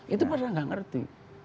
itu pada nggak ngerti